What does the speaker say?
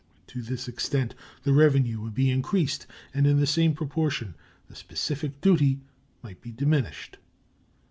To this extent the revenue would be increased, and in the same proportion the specific duty might be diminished.